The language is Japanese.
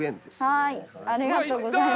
はい。